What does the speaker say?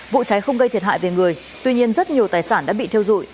vụ cháy không gây thiệt hại về người tuy nhiên rất nhiều tài sản đã bị thiêu dụi